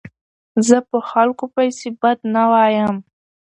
زه په خلکو پيسي بد نه وایم.